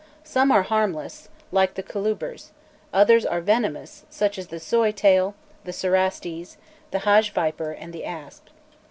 Some are harmless, like the colubers; others are venomous, such as the soy tale, the cerastes, the haje viper, and the asp.